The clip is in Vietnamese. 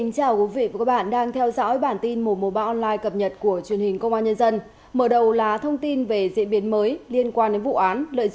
các bạn hãy đăng ký kênh để ủng hộ kênh của chúng mình nhé